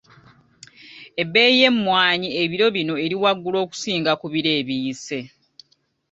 Ebbeeyi y'emmwanyi ebiro bino eri waggulu okusinga ku biro ebiyise.